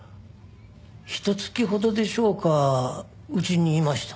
ひと月ほどでしょうかうちにいました。